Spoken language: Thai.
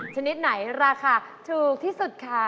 ชนิดไหนราคาถูกที่สุดคะ